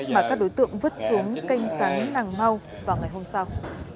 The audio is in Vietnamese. mà các đối tượng vứt xuống canh sáng nàng mau vào ngày hôm sau